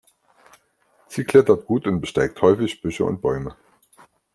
Sie klettert gut und besteigt häufig Büsche und Bäume.